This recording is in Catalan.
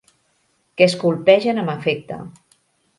Que es colpegen amb afecte.